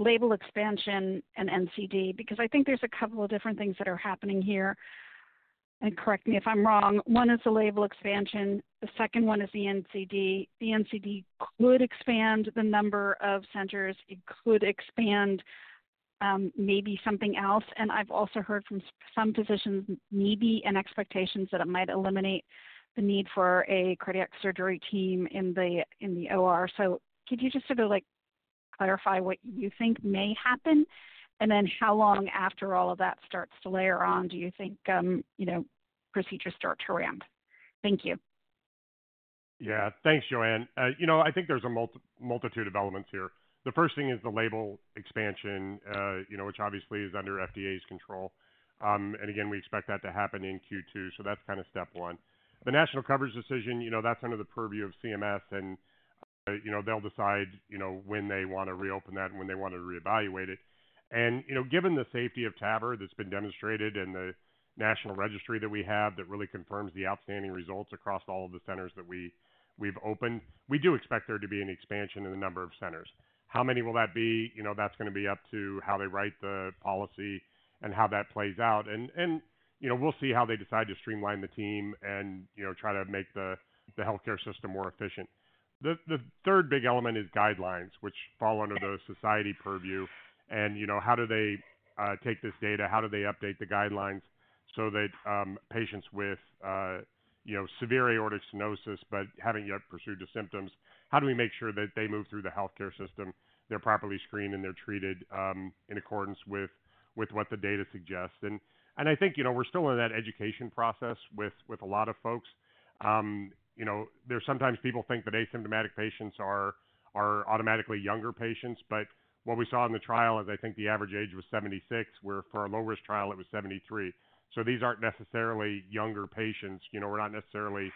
label expansion and NCD because I think there are a couple of different things that are happening here. Correct me if I'm wrong. One is the label expansion. The second one is the NCD. The NCD could expand the number of centers. It could expand maybe something else. I've also heard from some physicians maybe an expectation that it might eliminate the need for a cardiac surgery team in the OR. Could you just sort of clarify what you think may happen and then how long after all of that starts to layer on, do you think procedures start to ramp? Thank you. Yeah. Thanks, Joanne. I think there's a multitude of elements here. The first thing is the label expansion, which obviously is under FDA's control. Again, we expect that to happen in Q2. That's kind of step one. The national coverage decision, that's under the purview of CMS, and they'll decide when they want to reopen that and when they want to reevaluate it. Given the safety of TAVR that's been demonstrated and the national registry that we have that really confirms the outstanding results across all of the centers that we've opened, we do expect there to be an expansion in the number of centers. How many will that be? That's going to be up to how they write the policy and how that plays out. We'll see how they decide to streamline the team and try to make the healthcare system more efficient. The third big element is guidelines, which fall under the society purview. How do they take this data? How do they update the guidelines so that patients with severe aortic stenosis but haven't yet pursued the symptoms, how do we make sure that they move through the healthcare system, they're properly screened, and they're treated in accordance with what the data suggests? I think we're still in that education process with a lot of folks. Sometimes people think that asymptomatic patients are automatically younger patients, but what we saw in the trial is I think the average age was 76, where for our low-risk trial, it was 73. These aren't necessarily younger patients. We're not necessarily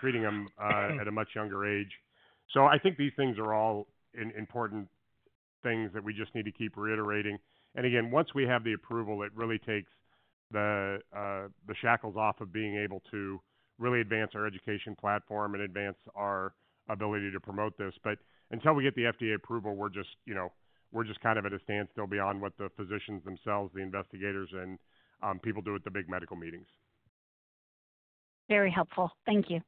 treating them at a much younger age. I think these things are all important things that we just need to keep reiterating. Once we have the approval, it really takes the shackles off of being able to really advance our education platform and advance our ability to promote this. Until we get the FDA approval, we're just kind of at a standstill beyond what the physicians themselves, the investigators, and people do at the big medical meetings. Very helpful. Thank you.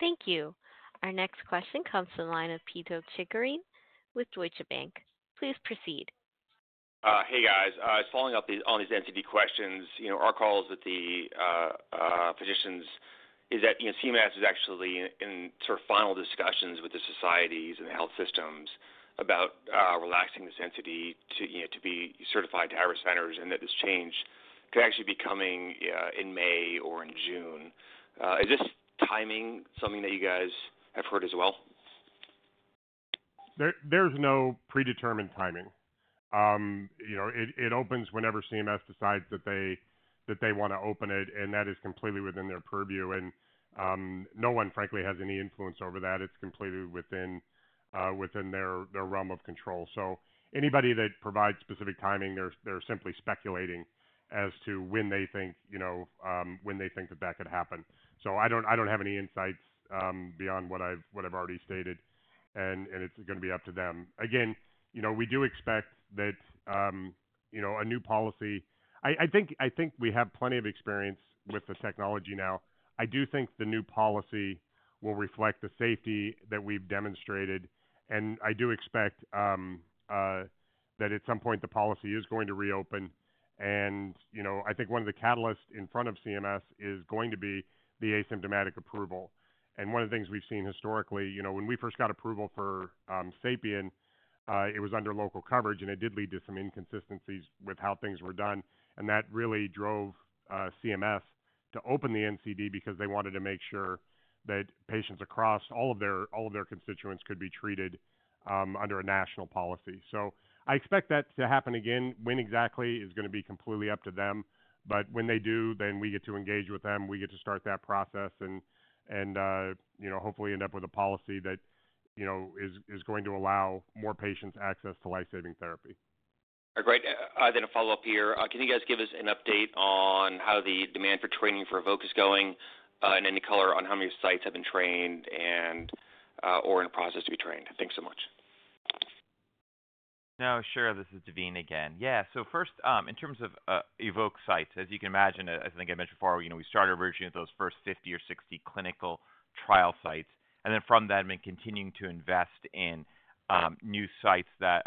Thank you. Our next question comes from the line of Pito Chickering with Deutsche Bank. Please proceed. Hey, guys. I was following up on these NCD questions. Our calls with the physicians is that CMS is actually in sort of final discussions with the societies and the health systems about relaxing this NCD to be certified TAVR centers and that this change could actually be coming in May or in June. Is this timing something that you guys have heard as well? There's no predetermined timing. It opens whenever CMS decides that they want to open it, and that is completely within their purview. No one, frankly, has any influence over that. It's completely within their realm of control. Anybody that provides specific timing, they're simply speculating as to when they think that that could happen. I don't have any insights beyond what I've already stated, and it's going to be up to them. We do expect that a new policy, I think we have plenty of experience with the technology now. I do think the new policy will reflect the safety that we've demonstrated. I do expect that at some point, the policy is going to reopen. I think one of the catalysts in front of CMS is going to be the asymptomatic approval. One of the things we've seen historically, when we first got approval for SAPIEN, it was under local coverage, and it did lead to some inconsistencies with how things were done. That really drove CMS to open the NCD because they wanted to make sure that patients across all of their constituents could be treated under a national policy. I expect that to happen again. When exactly is going to be completely up to them. When they do, we get to engage with them. We get to start that process and hopefully end up with a policy that is going to allow more patients access to lifesaving therapy. All right. Great. I did a follow-up here. Can you guys give us an update on how the demand for training for EVOQUE is going and any color on how many sites have been trained or in the process to be trained? Thanks so much. No, sure. This is Daveen again. Yeah. First, in terms of EVOQUE sites, as you can imagine, I think I mentioned before, we started originally with those first 50 or 60 clinical trial sites. From that, been continuing to invest in new sites that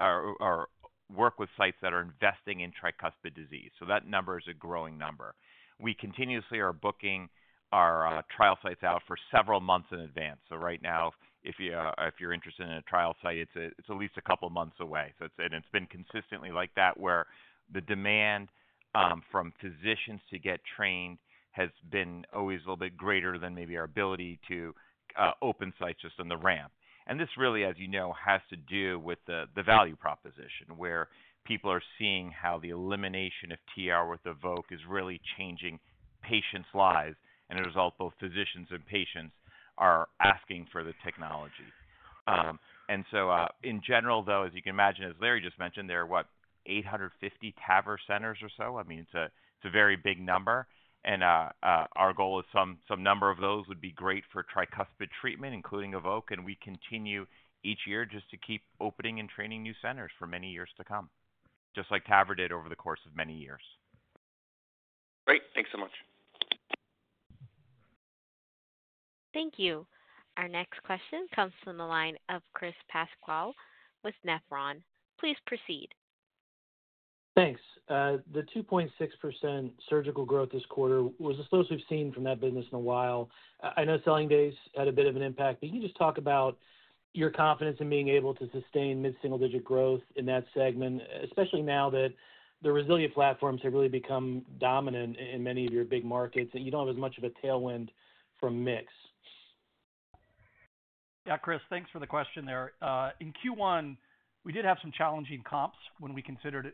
work with sites that are investing in tricuspid disease. That number is a growing number. We continuously are booking our trial sites out for several months in advance. Right now, if you're interested in a trial site, it's at least a couple of months away. It has been consistently like that, where the demand from physicians to get trained has been always a little bit greater than maybe our ability to open sites just on the ramp. This really, as you know, has to do with the value proposition, where people are seeing how the elimination of TR with EVOQUE is really changing patients' lives. As a result, both physicians and patients are asking for the technology. In general, though, as you can imagine, as Larry just mentioned, there are what, 850 TAVR centers or so? I mean, it is a very big number. Our goal is some number of those would be great for tricuspid treatment, including EVOQUE. We continue each year just to keep opening and training new centers for many years to come, just like TAVR did over the course of many years. Great. Thanks so much. Thank you. Our next question comes from the line of Chris Pasquale with Nephron. Please proceed. Thanks. The 2.6% surgical growth this quarter was the slowest we've seen from that business in a while. I know selling days had a bit of an impact. Can you just talk about your confidence in being able to sustain mid-single-digit growth in that segment, especially now that the RESILIA platforms have really become dominant in many of your big markets and you do not have as much of a tailwind from mix? Yeah, Chris, thanks for the question there. In Q1, we did have some challenging comps when we compared it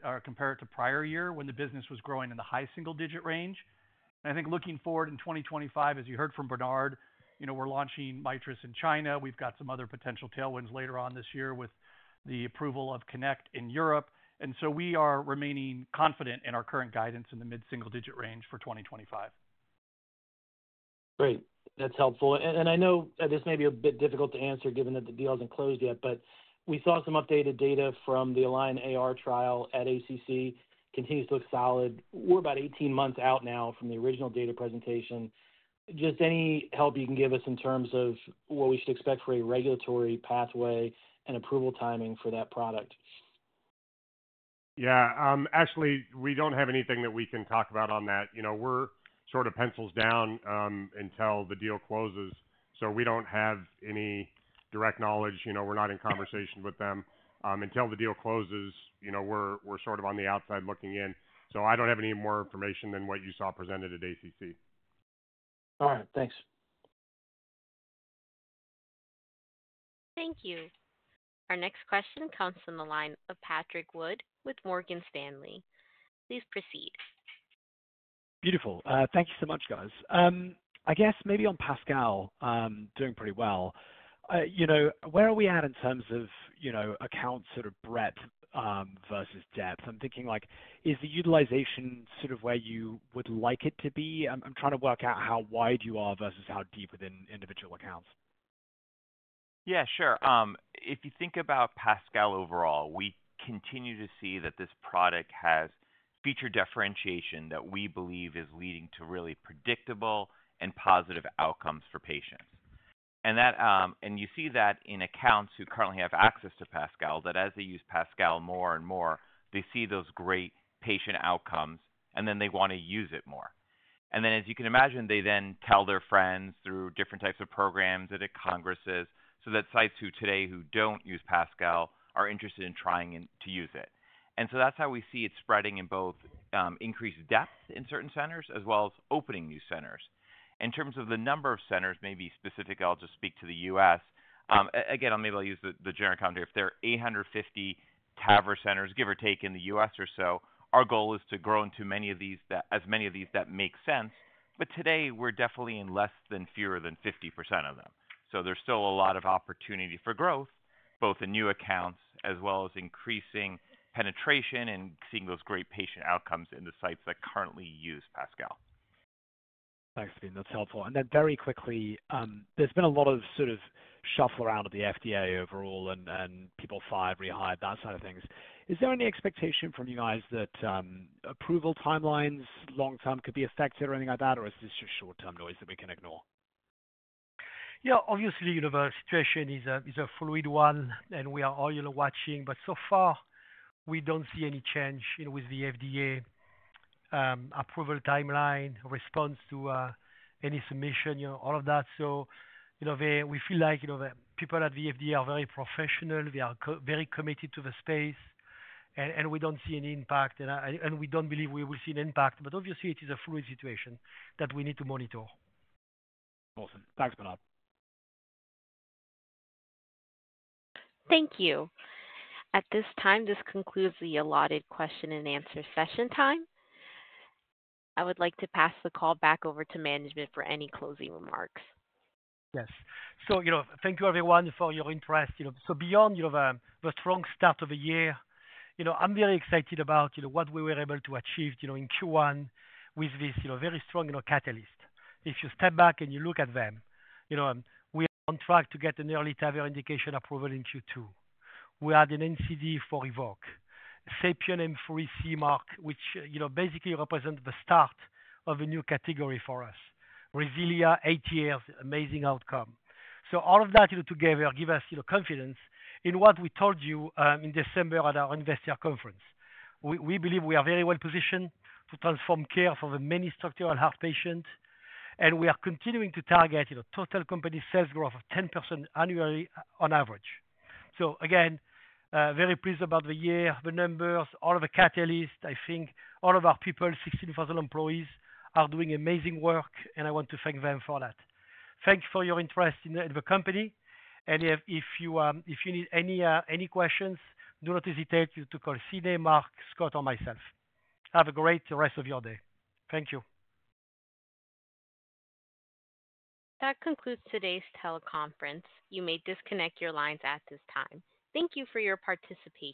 to prior year when the business was growing in the high single-digit range. I think looking forward in 2025, as you heard from Bernard, we are launching INSPIRIS in China. We've got some other potential tailwinds later on this year with the approval of KONECT in Europe. We are remaining confident in our current guidance in the mid-single-digit range for 2025. Great. That's helpful. I know this may be a bit difficult to answer given that the deal hasn't closed yet, but we saw some updated data from the ALIGN AR trial at ACC continues to look solid. We're about 18 months out now from the original data presentation. Just any help you can give us in terms of what we should expect for a regulatory pathway and approval timing for that product? Yeah. Actually, we don't have anything that we can talk about on that. We're sort of pencils down until the deal closes. We don't have any direct knowledge. We're not in conversation with them. Until the deal closes, we're sort of on the outside looking in. I don't have any more information than what you saw presented at ACC. All right. Thanks. Thank you. Our next question comes from the line of Patrick Wood with Morgan Stanley. Please proceed. Beautiful. Thank you so much, guys. I guess maybe on PASCAL, doing pretty well. Where are we at in terms of account sort of breadth versus depth? I'm thinking, is the utilization sort of where you would like it to be? I'm trying to work out how wide you are versus how deep within individual accounts. Yeah, sure. If you think about PASCAL overall, we continue to see that this product has feature differentiation that we believe is leading to really predictable and positive outcomes for patients. You see that in accounts who currently have access to PASCAL, that as they use PASCAL more and more, they see those great patient outcomes, and they want to use it more. As you can imagine, they then tell their friends through different types of programs at congresses so that sites today who do not use PASCAL are interested in trying to use it. That is how we see it spreading in both increased depth in certain centers as well as opening new centers. In terms of the number of centers, maybe specific, I will just speak to the U.S. Again, maybe I will use the general commentary. If there are 850 TAVR centers, give or take, in the U.S. or so, our goal is to grow into as many of these that make sense. Today, we are definitely in fewer than 50% of them. There is still a lot of opportunity for growth, both in new accounts as well as increasing penetration and seeing those great patient outcomes in the sites that currently use PASCAL. Thanks, Daveen. That's helpful. Very quickly, there's been a lot of sort of shuffle around at the FDA overall and people fired, rehired, that side of things. Is there any expectation from you guys that approval timelines long-term could be affected or anything like that, or is this just short-term noise that we can ignore? Yeah. Obviously, the situation is a fluid one, and we are all watching. So far, we do not see any change with the FDA approval timeline, response to any submission, all of that. We feel like people at the FDA are very professional. They are very committed to the space. We do not see any impact. We do not believe we will see an impact. Obviously, it is a fluid situation that we need to monitor. Awesome. Thanks, Bernard. Thank you. At this time, this concludes the allotted question-and-answer session time. I would like to pass the call back over to management for any closing remarks. Yes. Thank you, everyone, for your interest. Beyond the strong start of the year, I am very excited about what we were able to achieve in Q1 with this very strong catalyst. If you step back and you look at them, we are on track to get an EARLY TAVR indication approval in Q2. We had an NCD for EVOQUE, SAPIEN M3 CE mark, which basically represents the start of a new category for us, RESILIA, eight years, amazing outcome. All of that together gives us confidence in what we told you in December at our investor conference. We believe we are very well positioned to transform care for the many structural heart patients. We are continuing to target total company sales growth of 10% annually on average. Again, very pleased about the year, the numbers, all of the catalysts. I think all of our people, 16,000 employees, are doing amazing work, and I want to thank them for that. Thanks for your interest in the company. If you need any questions, do not hesitate to call Steed and Mark, Scott, or myself. Have a great rest of your day. Thank you. That concludes today's teleconference. You may disconnect your lines at this time. Thank you for your participation.